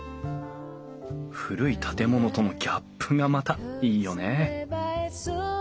古い建物とのギャップがまたいいよね